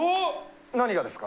何がですか？